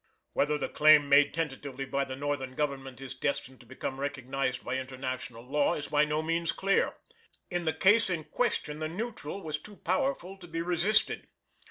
Whether the claim made tentatively by the Northern Government is destined to become recognised by International Law is by no means clear. In the case in question the neutral was too powerful to be resisted.